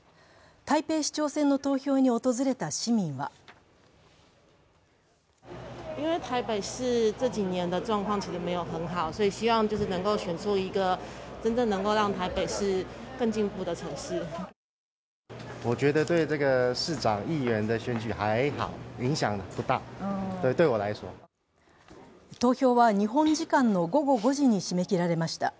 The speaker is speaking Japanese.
台北市長選の投票に訪れた市民は投票は日本時間の午後５時に締め切られました。